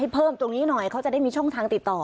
เพิ่มตรงนี้หน่อยเขาจะได้มีช่องทางติดต่อ